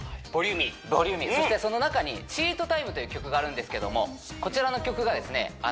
ボリューミーボリューミーそしてその中に「チートタイム」という曲があるんですけどもこちらの曲がですね